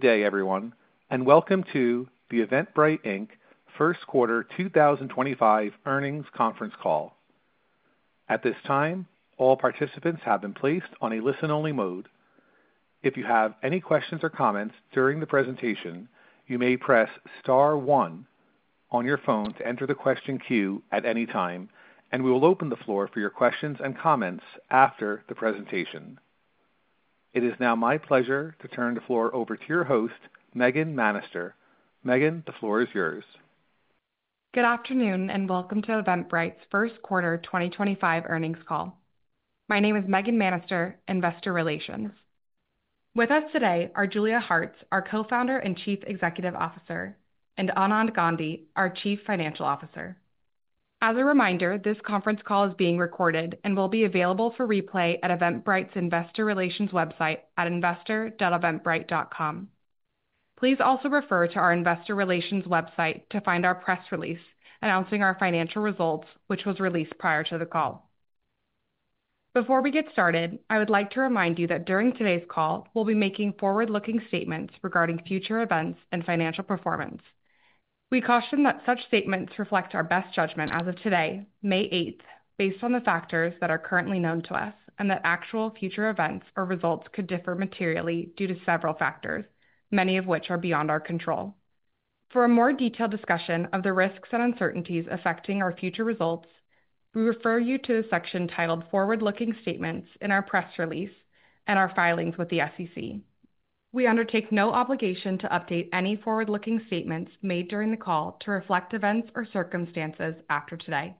Good day, everyone, and welcome to the Eventbrite Inc. first quarter 2025 earnings conference call. At this time, all participants have been placed on a listen-only mode. If you have any questions or comments during the presentation, you may press star one on your phone to enter the question queue at any time, and we will open the floor for your questions and comments after the presentation. It is now my pleasure to turn the floor over to your host, Megan Manaster. Megan, the floor is yours. Good afternoon and welcome to Eventbrite's first quarter 2025 earnings call. My name is Megan Manaster, Investor Relations. With us today are Julia Hartz, our Co-Founder and Chief Executive Officer, and Anand Gandhi, our Chief Financial Officer. As a reminder, this conference call is being recorded and will be available for replay at Eventbrite's Investor Relations website at investor.eventbrite.com. Please also refer to our Investor Relations website to find our press release announcing our financial results, which was released prior to the call. Before we get started, I would like to remind you that during today's call, we'll be making forward-looking statements regarding future events and financial performance. We caution that such statements reflect our best judgment as of today, May 8th, based on the factors that are currently known to us, and that actual future events or results could differ materially due to several factors, many of which are beyond our control. For a more detailed discussion of the risks and uncertainties affecting our future results, we refer you to the section titled forward-looking statements in our press release and our filings with the SEC. We undertake no obligation to update any forward-looking statements made during the call to reflect events or circumstances after today,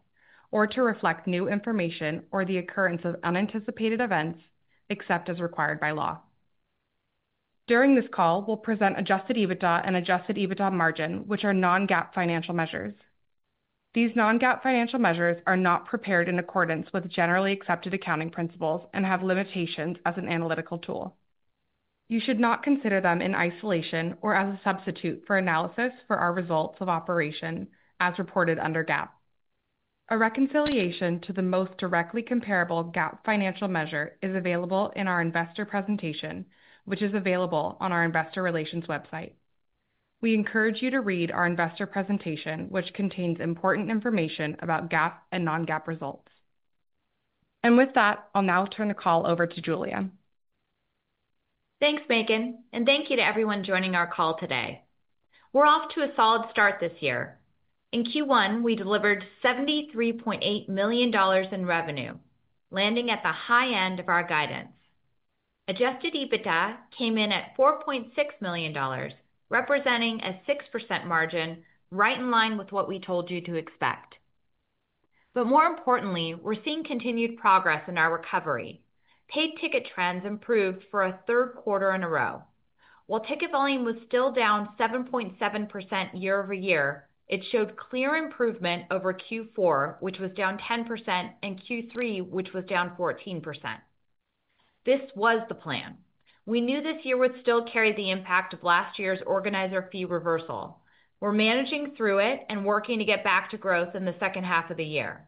or to reflect new information or the occurrence of unanticipated events except as required by law. During this call, we'll present adjusted EBITDA and adjusted EBITDA margin, which are non-GAAP financial measures. These non-GAAP financial measures are not prepared in accordance with generally accepted accounting principles and have limitations as an analytical tool. You should not consider them in isolation or as a substitute for analysis for our results of operation as reported under GAAP. A reconciliation to the most directly comparable GAAP financial measure is available in our investor presentation, which is available on our Investor Relations website. We encourage you to read our investor presentation, which contains important information about GAAP and non-GAAP results. With that, I'll now turn the call over to Julia. Thanks, Megan, and thank you to everyone joining our call today. We're off to a solid start this year. In Q1, we delivered $73.8 million in revenue, landing at the high end of our guidance. Adjusted EBITDA came in at $4.6 million, representing a 6% margin, right in line with what we told you to expect. More importantly, we're seeing continued progress in our recovery. Paid ticket trends improved for a third quarter in a row. While ticket volume was still down 7.7% year-over-year, it showed clear improvement over Q4, which was down 10%, and Q3, which was down 14%. This was the plan. We knew this year would still carry the impact of last year's organizer fee reversal. We're managing through it and working to get back to growth in the second half of the year.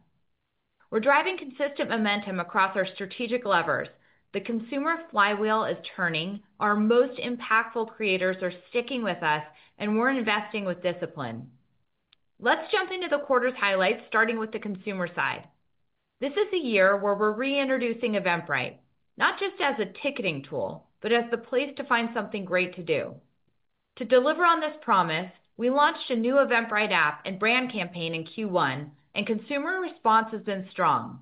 We're driving consistent momentum across our strategic levers. The consumer flywheel is turning. Our most impactful creators are sticking with us, and we're investing with discipline. Let's jump into the quarter's highlights, starting with the consumer side. This is a year where we're reintroducing Eventbrite, not just as a ticketing tool, but as the place to find something great to do. To deliver on this promise, we launched a new Eventbrite app and brand campaign in Q1, and consumer response has been strong.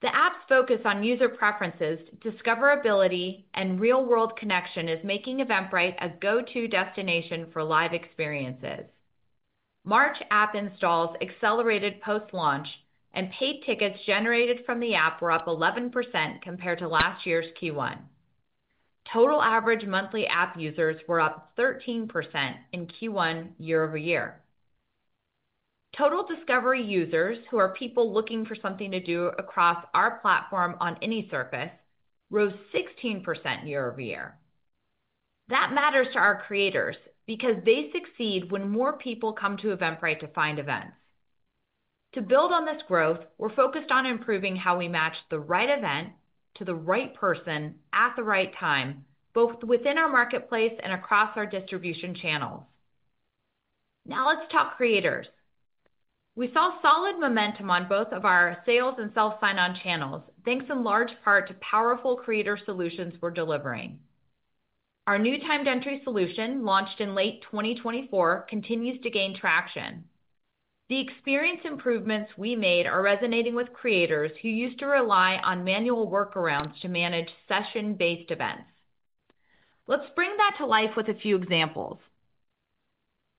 The app's focus on user preferences, discoverability, and real-world connection is making Eventbrite a go-to destination for live experiences. March app installs accelerated post-launch, and paid tickets generated from the app were up 11% compared to last year's Q1. Total average monthly app users were up 13% in Q1 year-over-year. Total discovery users, who are people looking for something to do across our platform on any surface, rose 16% year-over-year. That matters to our creators because they succeed when more people come to Eventbrite to find events. To build on this growth, we're focused on improving how we match the right event to the right person at the right time, both within our marketplace and across our distribution channels. Now let's talk creators. We saw solid momentum on both of our sales and Self Sign-On channels, thanks in large part to powerful creator solutions we're delivering. Our new timed entry solution, launched in late 2024, continues to gain traction. The experience improvements we made are resonating with creators who used to rely on manual workarounds to manage session-based events. Let's bring that to life with a few examples.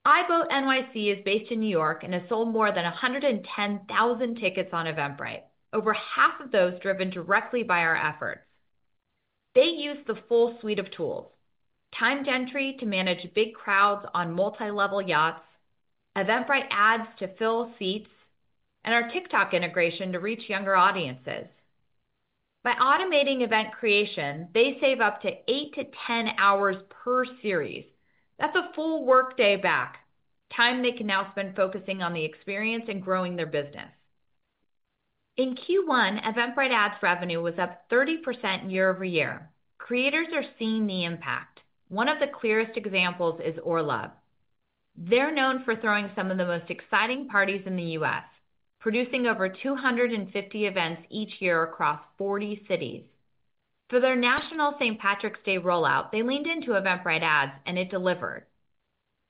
iBoatNYC is based in New York and has sold more than 110,000 tickets on Eventbrite, over half of those driven directly by our efforts. They use the full suite of tools: timed entry to manage big crowds on multi-level yachts, Eventbrite ads to fill seats, and our TikTok integration to reach younger audiences. By automating event creation, they save up to 8-10 hours per series. That's a full workday back, time they can now spend focusing on the experience and growing their business. In Q1, Eventbrite ads revenue was up 30% year-over-year. Creators are seeing the impact. One of the clearest examples is ORLOVE. They're known for throwing some of the most exciting parties in the U.S., producing over 250 events each year across 40 cities. For their National St. Patrick's Day rollout, they leaned into Eventbrite ads, and it delivered.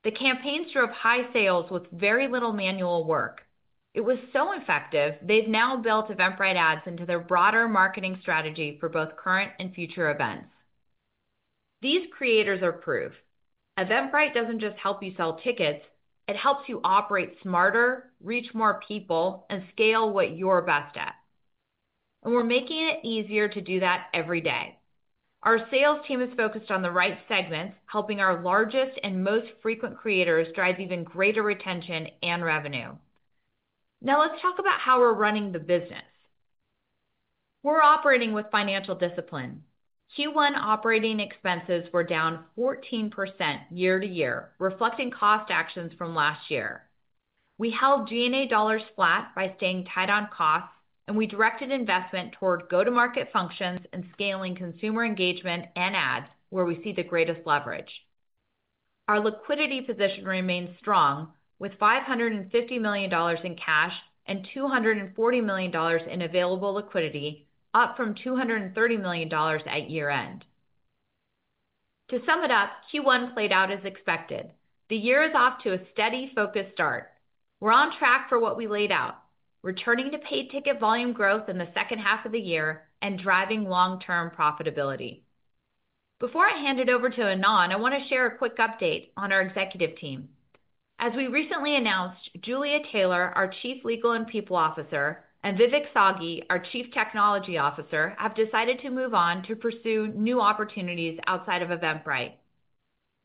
The campaigns drove high sales with very little manual work. It was so effective, they've now built Eventbrite Ads into their broader marketing strategy for both current and future events. These creators are proof. Eventbrite doesn't just help you sell tickets; it helps you operate smarter, reach more people, and scale what you're best at. We're making it easier to do that every day. Our sales team is focused on the right segments, helping our largest and most frequent creators drive even greater retention and revenue. Now let's talk about how we're running the business. We're operating with financial discipline. Q1 operating expenses were down 14% year-to-year, reflecting cost actions from last year. We held G&A dollars flat by staying tight on costs, and we directed investment toward go-to-market functions and scaling consumer engagement and ads, where we see the greatest leverage. Our liquidity position remains strong, with $550 million in cash and $240 million in available liquidity, up from $230 million at year-end. To sum it up, Q1 played out as expected. The year is off to a steady, focused start. We're on track for what we laid out, returning to paid ticket volume growth in the second half of the year and driving long-term profitability. Before I hand it over to Anand, I want to share a quick update on our executive team. As we recently announced, Julia Taylor, our Chief Legal and People Officer, and Vivek Sagi, our Chief Technology Officer, have decided to move on to pursue new opportunities outside of Eventbrite.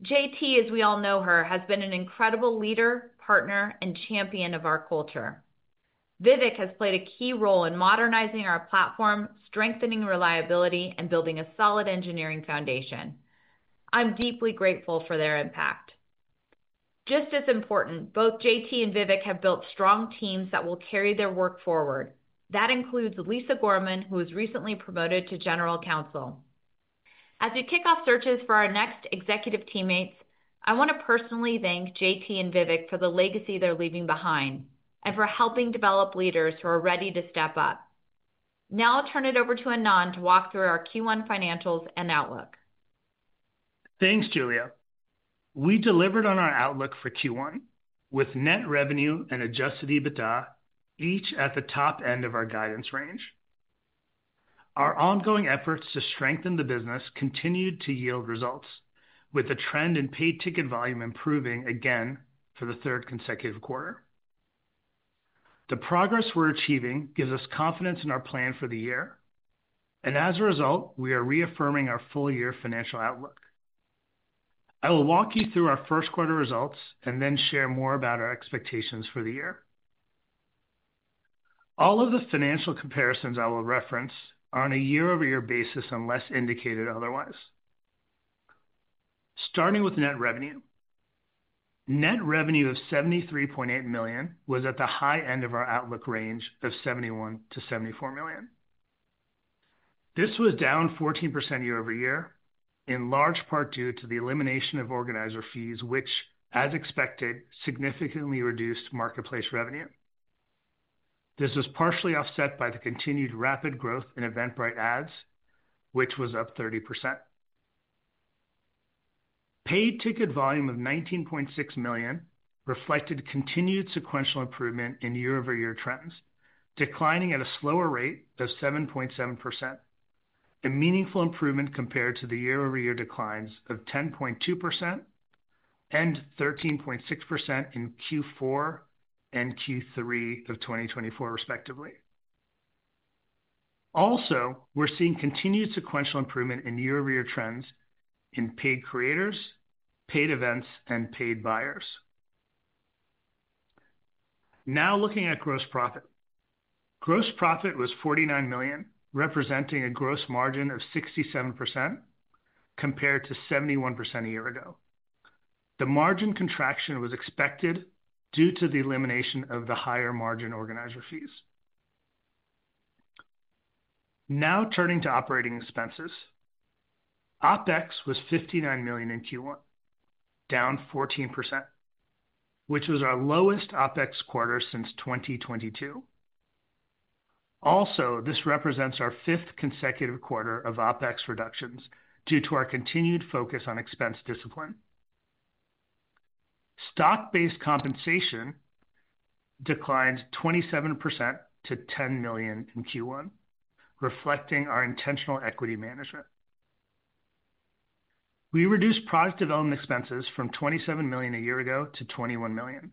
JT, as we all know her, has been an incredible leader, partner, and champion of our culture. Vivek has played a key role in modernizing our platform, strengthening reliability, and building a solid engineering foundation. I'm deeply grateful for their impact. Just as important, both JT and Vivek have built strong teams that will carry their work forward. That includes Lisa Gorman, who was recently promoted to General Counsel. As we kick off searches for our next executive teammates, I want to personally thank JT and Vivek for the legacy they're leaving behind and for helping develop leaders who are ready to step up. Now I'll turn it over to Anand to walk through our Q1 financials and outlook. Thanks, Julia. We delivered on our outlook for Q1 with net revenue and adjusted EBITDA each at the top end of our guidance range. Our ongoing efforts to strengthen the business continued to yield results, with the trend in paid ticket volume improving again for the third consecutive quarter. The progress we're achieving gives us confidence in our plan for the year, and as a result, we are reaffirming our full-year financial outlook. I will walk you through our first quarter results and then share more about our expectations for the year. All of the financial comparisons I will reference are on a year-over-year basis unless indicated otherwise. Starting with net revenue, net revenue of $73.8 million was at the high end of our outlook range of $71 million-$74 million. This was down 14% year-over-year, in large part due to the elimination of organizer fees, which, as expected, significantly reduced marketplace revenue. This was partially offset by the continued rapid growth in Eventbrite Ads, which was up 30%. Paid ticket volume of $19.6 million reflected continued sequential improvement in year-over-year trends, declining at a slower rate of 7.7%, a meaningful improvement compared to the year-over-year declines of 10.2% and 13.6% in Q4 and Q3 of 2024, respectively. Also, we're seeing continued sequential improvement in year-over-year trends in paid creators, paid events, and paid buyers. Now looking at gross profit. Gross profit was $49 million, representing a gross margin of 67% compared to 71% a year ago. The margin contraction was expected due to the elimination of the higher margin organizer fees. Now turning to operating expenses, OpEx was $59 million in Q1, down 14%, which was our lowest OpEx quarter since 2022. Also, this represents our fifth consecutive quarter of OpEx reductions due to our continued focus on expense discipline. Stock-based compensation declined 27% to $10 million in Q1, reflecting our intentional equity management. We reduced product development expenses from $27 million a year ago to $21 million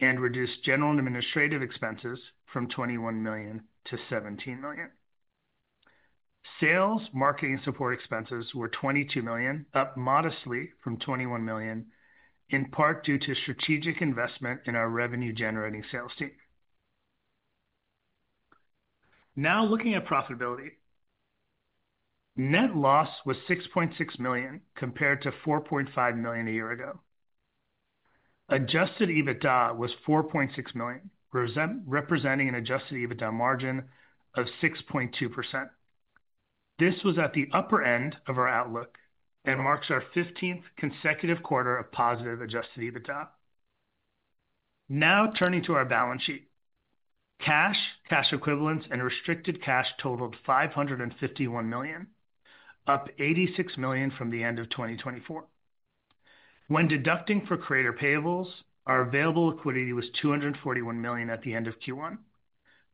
and reduced general and administrative expenses from $21 million to $17 million. Sales, marketing, and support expenses were $22 million, up modestly from $21 million, in part due to strategic investment in our revenue-generating sales team. Now looking at profitability, net loss was $6.6 million compared to $4.5 million a year ago. Adjusted EBITDA was $4.6 million, representing an adjusted EBITDA margin of 6.2%. This was at the upper end of our outlook and marks our 15th consecutive quarter of positive adjusted EBITDA. Now turning to our balance sheet, cash, cash equivalents, and restricted cash totaled $551 million, up $86 million from the end of 2024. When deducting for creator payables, our available liquidity was $241 million at the end of Q1,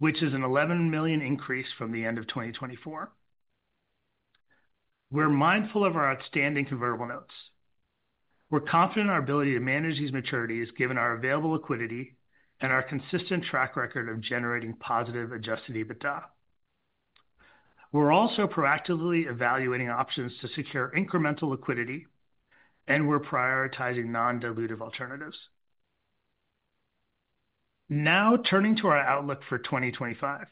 which is an $11 million increase from the end of 2024. We're mindful of our outstanding convertible notes. We're confident in our ability to manage these maturities, given our available liquidity and our consistent track record of generating positive adjusted EBITDA. We're also proactively evaluating options to secure incremental liquidity, and we're prioritizing non-dilutive alternatives. Now turning to our outlook for 2025.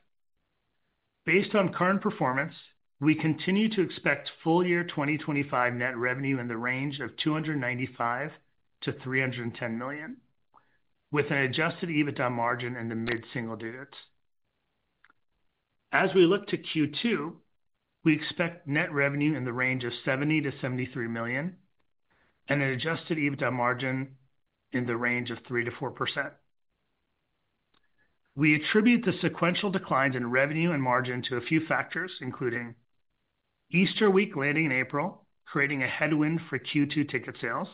Based on current performance, we continue to expect full-year 2025 net revenue in the range of $295 million-$310 million, with an adjusted EBITDA margin in the mid-single digits. As we look to Q2, we expect net revenue in the range of $70 million-$73 million and an adjusted EBITDA margin in the range of 3%-4%. We attribute the sequential declines in revenue and margin to a few factors, including Easter week landing in April, creating a headwind for Q2 ticket sales,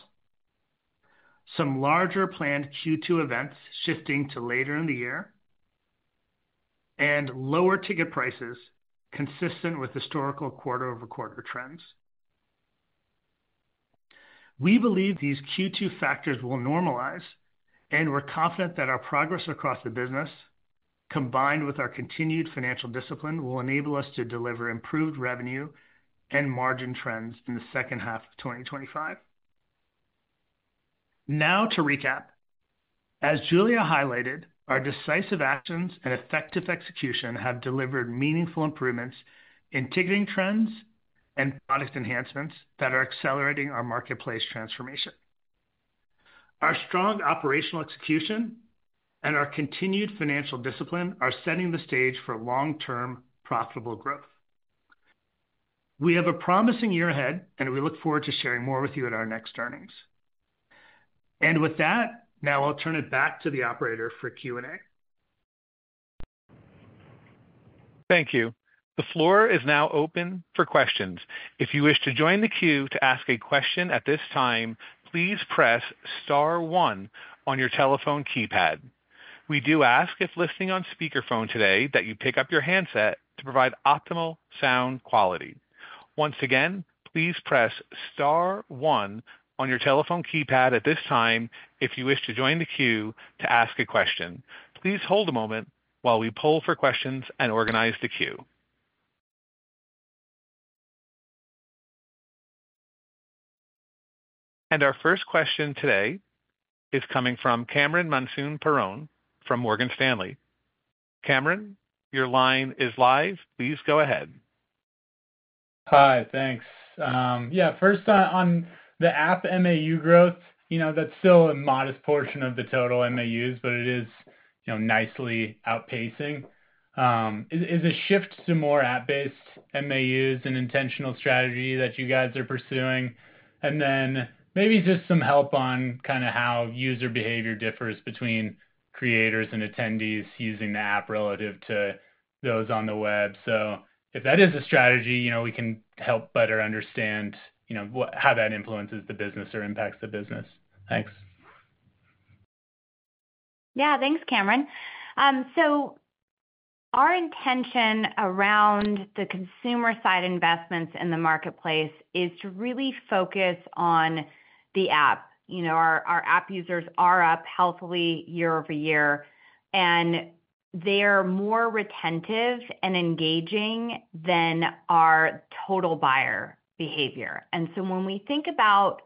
some larger planned Q2 events shifting to later in the year, and lower ticket prices consistent with historical quarter-over-quarter trends. We believe these Q2 factors will normalize, and we're confident that our progress across the business, combined with our continued financial discipline, will enable us to deliver improved revenue and margin trends in the second half of 2025. Now to recap. As Julia highlighted, our decisive actions and effective execution have delivered meaningful improvements in ticketing trends and product enhancements that are accelerating our marketplace transformation. Our strong operational execution and our continued financial discipline are setting the stage for long-term profitable growth. We have a promising year ahead, and we look forward to sharing more with you at our next earnings. Now I'll turn it back to the operator for Q&A. Thank you. The floor is now open for questions. If you wish to join the queue to ask a question at this time, please press star one on your telephone keypad. We do ask if listening on speakerphone today that you pick up your handset to provide optimal sound quality. Once again, please press star one on your telephone keypad at this time if you wish to join the queue to ask a question. Please hold a moment while we pull for questions and organize the queue. Our first question today is coming from Cameron Mansson-Perrone from Morgan Stanley. Cameron, your line is live. Please go ahead. Hi, thanks. Yeah, first, on the app MAU growth, you know that's still a modest portion of the total MAUs, but it is nicely outpacing. Is a shift to more app-based MAUs an intentional strategy that you guys are pursuing? And then maybe just some help on kind of how user behavior differs between creators and attendees using the app relative to those on the web. If that is a strategy, you know we can help better understand you know how that influences the business or impacts the business. Thanks. Yeah, thanks, Cameron. Our intention around the consumer-side investments in the marketplace is to really focus on the app. You know our app users are up healthily year-over-year, and they're more retentive and engaging than our total buyer behavior. When we think about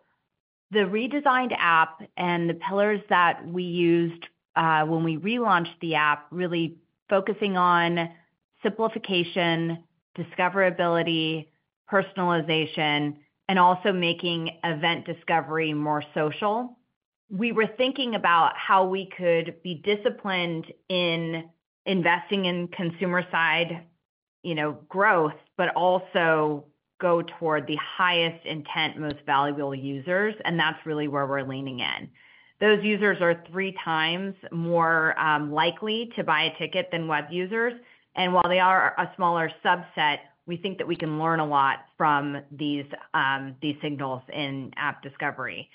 the redesigned app and the pillars that we used when we relaunched the app, really focusing on simplification, discoverability, personalization, and also making event discovery more social, we were thinking about how we could be disciplined in investing in consumer-side growth, but also go toward the highest intent, most valuable users. That's really where we're leaning in. Those users are three times more likely to buy a ticket than web users. While they are a smaller subset, we think that we can learn a lot from these signals in app discovery.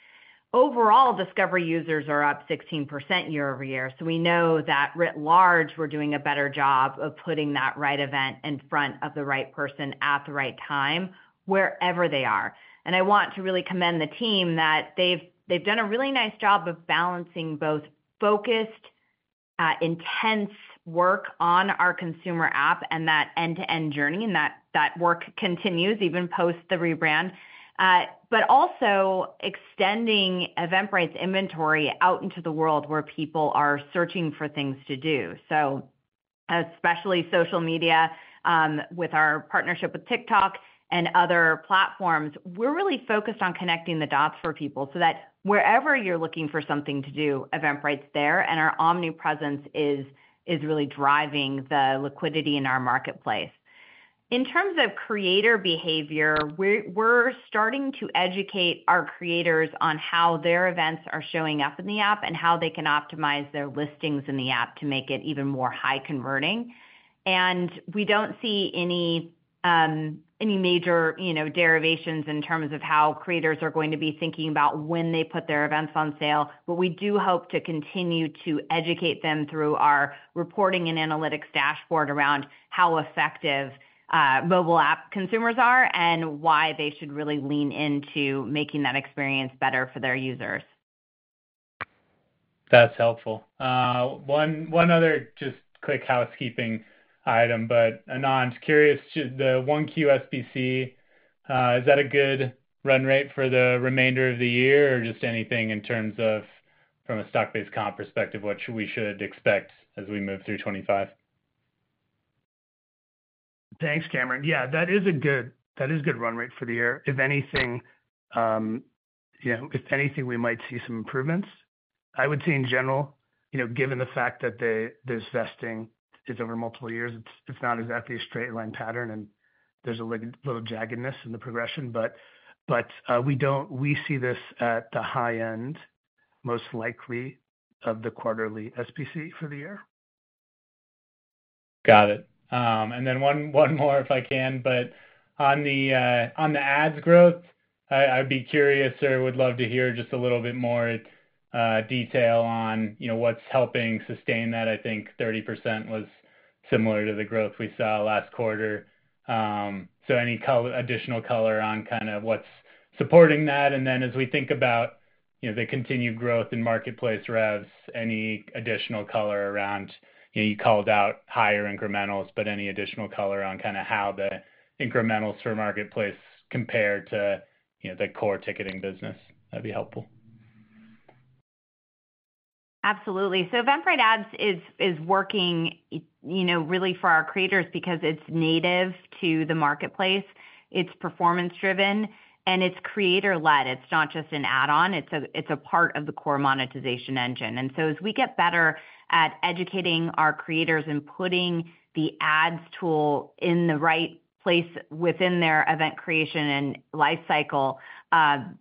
Overall, discovery users are up 16% year-over-year. We know that writ large, we're doing a better job of putting that right event in front of the right person at the right time, wherever they are. I want to really commend the team that they've done a really nice job of balancing both focused, intense work on our consumer app and that end-to-end journey, and that work continues even post the rebrand, but also extending Eventbrite's inventory out into the world where people are searching for things to do. Especially social media with our partnership with TikTok and other platforms, we're really focused on connecting the dots for people so that wherever you're looking for something to do, Eventbrite's there, and our omnipresence is really driving the liquidity in our marketplace. In terms of creator behavior, we're starting to educate our creators on how their events are showing up in the app and how they can optimize their listings in the app to make it even more high-converting. We do not see any major derivations in terms of how creators are going to be thinking about when they put their events on sale, but we do hope to continue to educate them through our reporting and analytics dashboard around how effective mobile app consumers are and why they should really lean into making that experience better for their users. That's helpful. One other just quick housekeeping item, but Anand, curious, the 1Q SBC, is that a good run rate for the remainder of the year or just anything in terms of from a stock-based comp perspective, what we should expect as we move through 2025? Thanks, Cameron. Yeah, that is a good run rate for the year. If anything, you know we might see some improvements. I would say in general, you know given the fact that this vesting is over multiple years, it's not exactly a straight line pattern, and there's a little jaggedness in the progression, but we see this at the high end most likely of the quarterly SBC for the year. Got it. And then one more, if I can, but on the ads growth, I'd be curious or would love to hear just a little bit more detail on what's helping sustain that. I think 30% was similar to the growth we saw last quarter. So any additional color on kind of what's supporting that? And then as we think about the continued growth in marketplace revs, any additional color around, you called out higher incrementals, but any additional color on kind of how the incrementals for marketplace compare to the core ticketing business? That'd be helpful. Absolutely. Eventbrite Ads is working really for our creators because it's native to the marketplace. It's performance-driven, and it's creator-led. It's not just an add-on. It's a part of the core monetization engine. As we get better at educating our creators and putting the ads tool in the right place within their event creation and lifecycle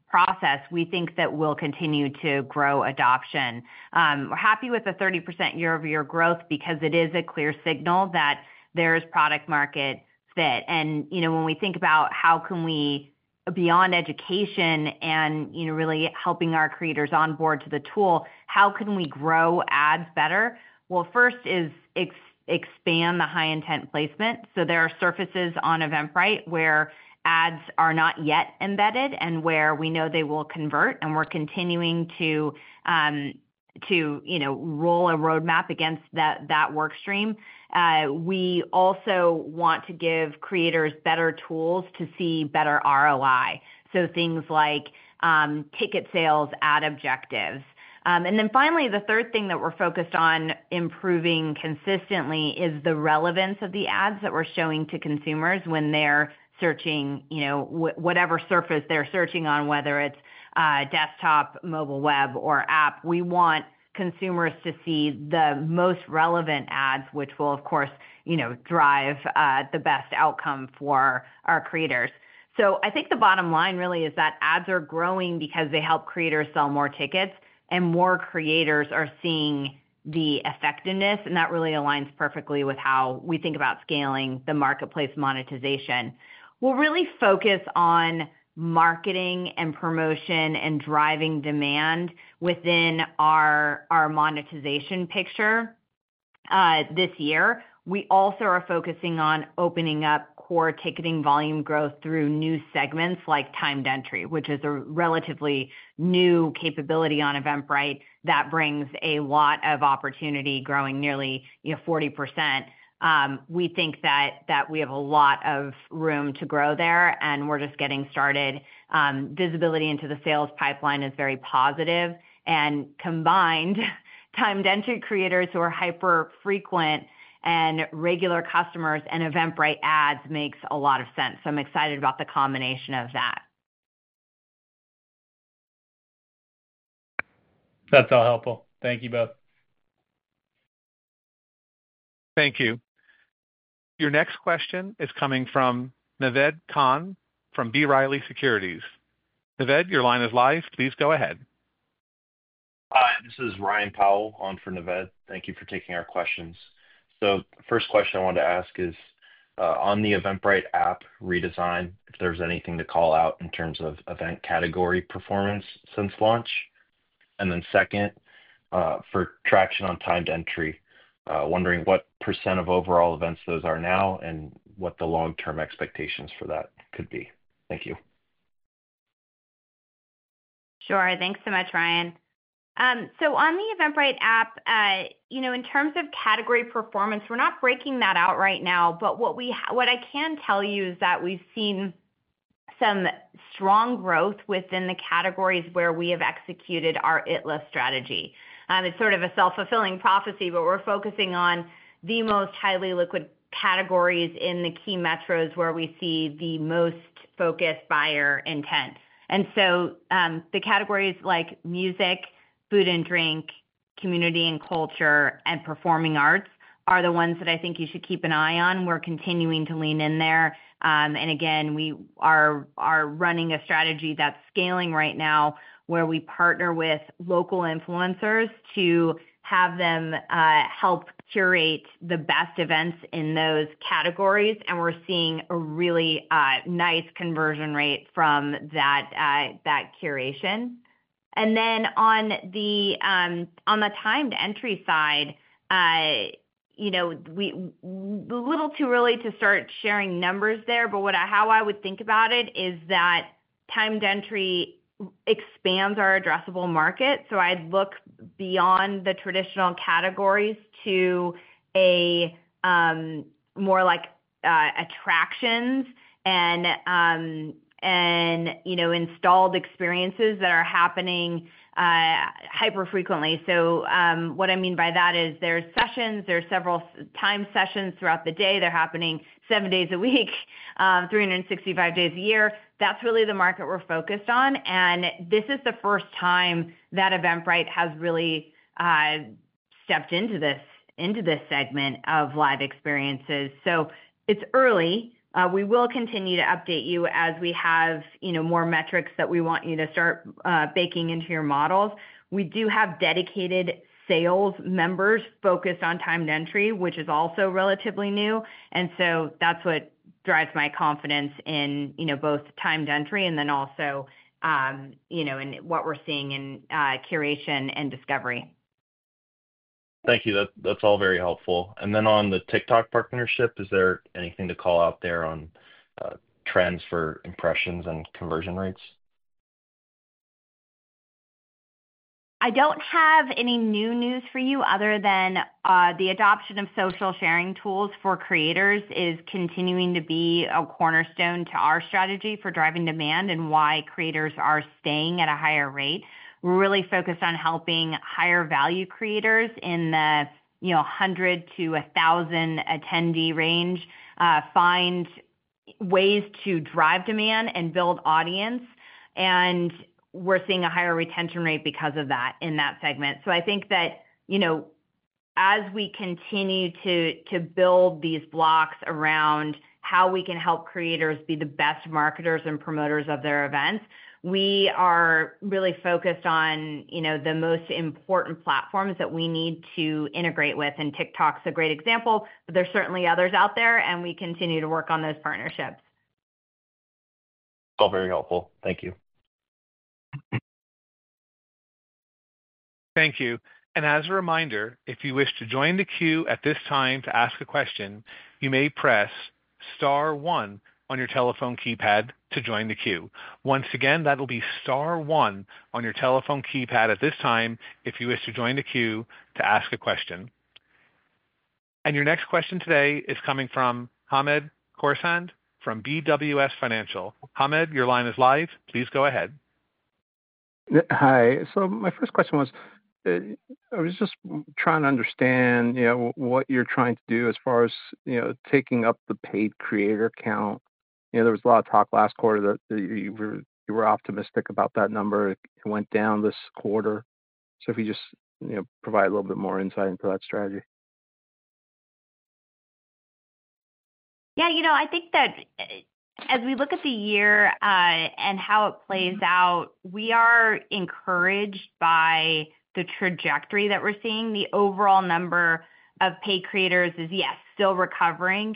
process, we think that we'll continue to grow adoption. We're happy with the 30% year-over-year growth because it is a clear signal that there's product-market fit. You know, when we think about how can we, beyond education and really helping our creators onboard to the tool, how can we grow ads better? First is expand the high-intent placement. There are surfaces on Eventbrite where ads are not yet embedded and where we know they will convert, and we're continuing to roll a roadmap against that workstream. We also want to give creators better tools to see better ROI. So things like ticket sales, ad objectives. Finally, the third thing that we're focused on improving consistently is the relevance of the ads that we're showing to consumers when they're searching whatever surface they're searching on, whether it's desktop, mobile web, or app. We want consumers to see the most relevant ads, which will, of course, drive the best outcome for our creators. I think the bottom line really is that ads are growing because they help creators sell more tickets, and more creators are seeing the effectiveness, and that really aligns perfectly with how we think about scaling the marketplace monetization. We'll really focus on marketing and promotion and driving demand within our monetization picture this year. We also are focusing on opening up core ticketing volume growth through new segments like timed entry, which is a relatively new capability on Eventbrite that brings a lot of opportunity, growing nearly 40%. We think that we have a lot of room to grow there, and we're just getting started. Visibility into the sales pipeline is very positive, and combined timed entry creators who are hyper-frequent and regular customers and Eventbrite Ads makes a lot of sense. I'm excited about the combination of that. That's all helpful. Thank you both. Thank you. Your next question is coming from Naved Khan from B. Riley Securities. Naved, your line is live. Please go ahead. Hi, this is Ryan Powell on for Naved. Thank you for taking our questions. The first question I wanted to ask is on the Eventbrite app redesign, if there is anything to call out in terms of event category performance since launch? The second, for traction on timed entry, wondering what percent of overall events those are now and what the long-term expectations for that could be? Thank you. Sure. Thanks so much, Ryan. On the Eventbrite app, you know in terms of category performance, we're not breaking that out right now, but what I can tell you is that we've seen some strong growth within the categories where we have executed our It-Lists strategy. It's sort of a self-fulfilling prophecy, but we're focusing on the most highly liquid categories in the key metros where we see the most focused buyer intent. The categories like music, food and drink, community and culture, and performing arts are the ones that I think you should keep an eye on. We're continuing to lean in there. Again, we are running a strategy that's scaling right now where we partner with local influencers to have them help curate the best events in those categories. We're seeing a really nice conversion rate from that curation. On the timed entry side, you know, a little too early to start sharing numbers there, but how I would think about it is that timed entry expands our addressable market. I would look beyond the traditional categories to more like attractions and installed experiences that are happening hyper-frequently. What I mean by that is there are sessions, there are several timed sessions throughout the day. They are happening seven days a week, 365 days a year. That is really the market we are focused on. This is the first time that Eventbrite has really stepped into this segment of live experiences. It is early. We will continue to update you as we have more metrics that we want you to start baking into your models. We do have dedicated sales members focused on timed entry, which is also relatively new. That is what drives my confidence in both timed entry and then also in what we are seeing in curation and discovery. Thank you. That's all very helpful. On the TikTok partnership, is there anything to call out there on trends for impressions and conversion rates? I don't have any new news for you other than the adoption of social sharing tools for creators is continuing to be a cornerstone to our strategy for driving demand and why creators are staying at a higher rate. We are really focused on helping higher-value creators in the 100-1,000 attendee range find ways to drive demand and build audience. We are seeing a higher retention rate because of that in that segment. I think that as we continue to build these blocks around how we can help creators be the best marketers and promoters of their events, we are really focused on the most important platforms that we need to integrate with. TikTok is a great example, but there are certainly others out there, and we continue to work on those partnerships. All very helpful. Thank you. Thank you. As a reminder, if you wish to join the queue at this time to ask a question, you may press star one on your telephone keypad to join the queue. Once again, that will be star one on your telephone keypad at this time if you wish to join the queue to ask a question. Your next question today is coming from Hamed Khorsand from BWS Financial. Hamed, your line is live. Please go ahead. Hi. My first question was, I was just trying to understand what you're trying to do as far as taking up the paid creator count. There was a lot of talk last quarter that you were optimistic about that number. It went down this quarter. If you could just provide a little bit more insight into that strategy. Yeah, you know I think that as we look at the year and how it plays out, we are encouraged by the trajectory that we're seeing. The overall number of paid creators is, yes, still recovering.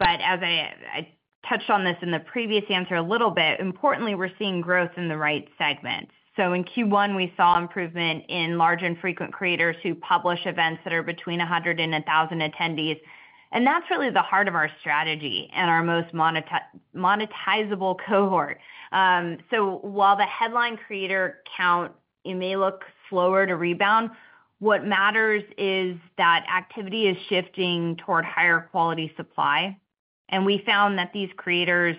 As I touched on this in the previous answer a little bit, importantly, we're seeing growth in the right segment. In Q1, we saw improvement in large and frequent creators who publish events that are between 100 and 1,000 attendees. That's really the heart of our strategy and our most monetizable cohort. While the headline creator count may look slower to rebound, what matters is that activity is shifting toward higher quality supply. We found that these creators,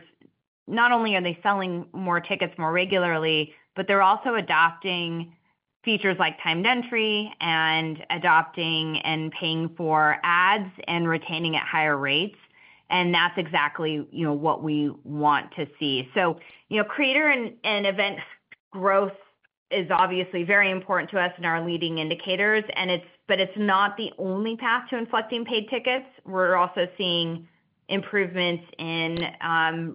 not only are they selling more tickets more regularly, but they're also adopting features like timed entry and adopting and paying for ads and retaining at higher rates. That is exactly what we want to see. Creator and event growth is obviously very important to us and our leading indicators, but it is not the only path to inflecting paid tickets. We are also seeing improvements in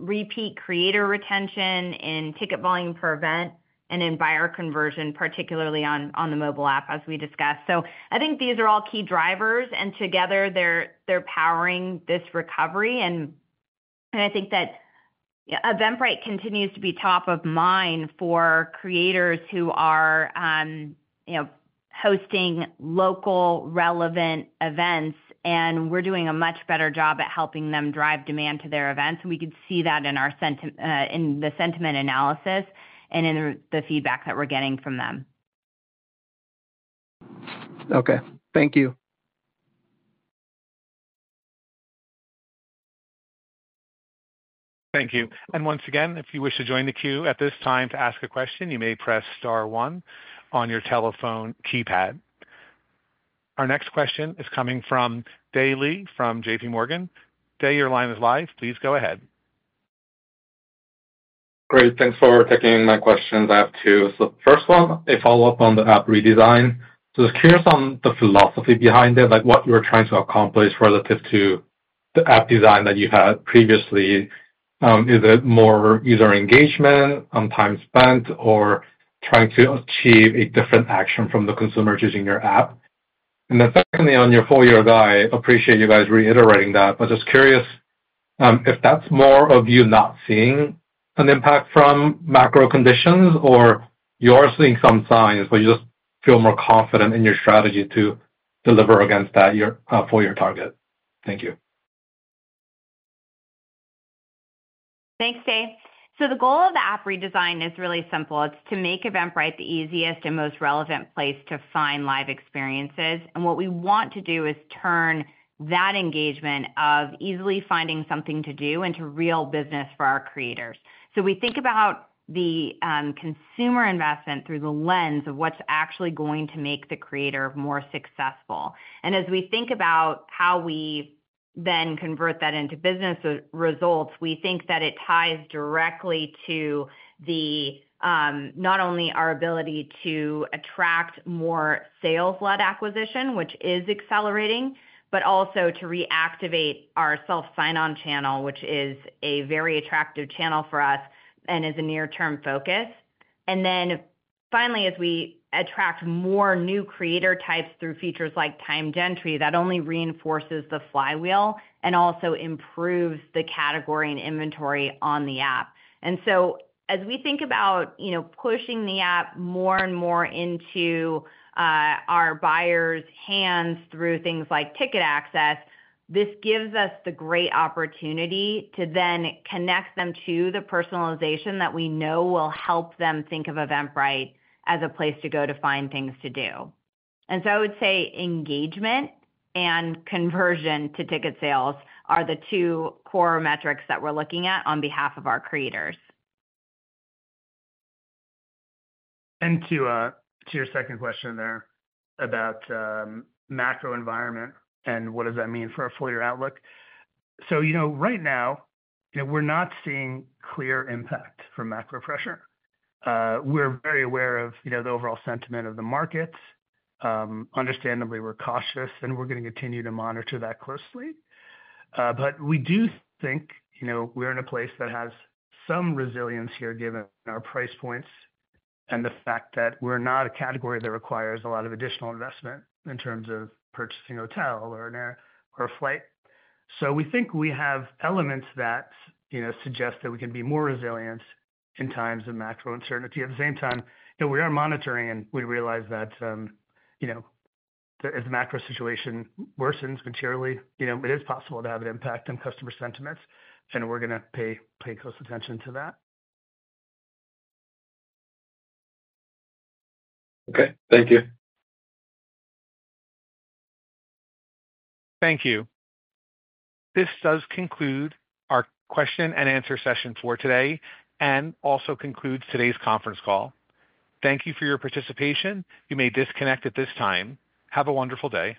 repeat creator retention, in ticket volume per event, and in buyer conversion, particularly on the mobile app, as we discussed. I think these are all key drivers, and together they are powering this recovery. I think that Eventbrite continues to be top of mind for creators who are hosting local relevant events, and we are doing a much better job at helping them drive demand to their events. We can see that in the sentiment analysis and in the feedback that we are getting from them. Okay. Thank you. Thank you. If you wish to join the queue at this time to ask a question, you may press star one on your telephone keypad. Our next question is coming from Dae Lee from JPMorgan. Dae, your line is live. Please go ahead. Great. Thanks for taking my questions after. First one, a follow-up on the app redesign. I was curious on the philosophy behind it, like what you were trying to accomplish relative to the app design that you had previously. Is it more user engagement, time spent, or trying to achieve a different action from the consumer using your app? Secondly, on your full-year guide, I appreciate you guys reiterating that, but just curious if that's more of you not seeing an impact from macro conditions or you are seeing some signs, but you just feel more confident in your strategy to deliver against that full year target. Thank you. Thanks, Dae. The goal of the app redesign is really simple. It's to make Eventbrite the easiest and most relevant place to find live experiences. What we want to do is turn that engagement of easily finding something to do into real business for our creators. We think about the consumer investment through the lens of what's actually going to make the creator more successful. As we think about how we then convert that into business results, we think that it ties directly to not only our ability to attract more sales-led acquisition, which is accelerating, but also to reactivate our Self Sign-On channel, which is a very attractive channel for us and is a near-term focus. Finally, as we attract more new creator types through features like timed entry, that only reinforces the flywheel and also improves the category and inventory on the app. As we think about pushing the app more and more into our buyers' hands through things like ticket access, this gives us the great opportunity to then connect them to the personalization that we know will help them think of Eventbrite as a place to go to find things to do. I would say engagement and conversion to ticket sales are the two core metrics that we're looking at on behalf of our creators. To your second question there about macro environment and what does that mean for our full year outlook. Right now, we're not seeing clear impact from macro pressure. We're very aware of the overall sentiment of the markets. Understandably, we're cautious, and we're going to continue to monitor that closely. We do think we're in a place that has some resilience here given our price points and the fact that we're not a category that requires a lot of additional investment in terms of purchasing a hotel or a flight. We think we have elements that suggest that we can be more resilient in times of macro uncertainty. At the same time, we are monitoring, and we realize that as the macro situation worsens materially, it is possible to have an impact on customer sentiments, and we're going to pay close attention to that. Okay. Thank you. Thank you. This does conclude our question-and-answer session for today and also concludes today's conference call. Thank you for your participation. You may disconnect at this time. Have a wonderful day.